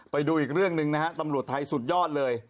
ไปดูอีกเรื่องหนึ่งนะฮะตำรวจไทยสุดยอดเลย